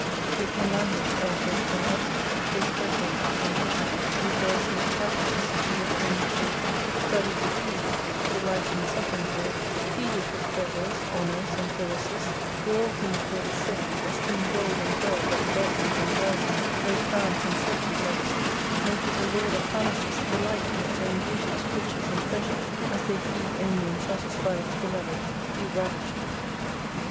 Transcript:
It can languish after it when absent ; take pleasure in it when present , rejoice in its happiness, live only to it, study to please it, delight in suffering for it, feed it with pleasures, honours, and caresses, do all things for its sake, esteem gold and pearl but dross in comparison, lay crowns and sceptres at its feet, make it a lord of palaces, delight in its own beauties, riches, and pleasures, as they feed only and satisfy its beloved ; be ravished with it.